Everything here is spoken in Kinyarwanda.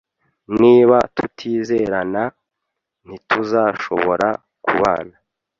Niba tutizerana, ntituzashobora kubana.